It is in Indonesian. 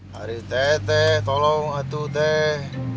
hari tete tolong hatu teh